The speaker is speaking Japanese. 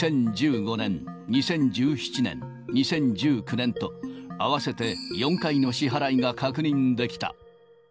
その後も２０１５年、２０１７年、２０１９年と、合わせて４回の支払いが確認できた。